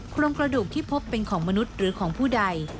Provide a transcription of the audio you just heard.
โครงกระดูกที่พบเป็นของมนุษย์หรือของผู้ใด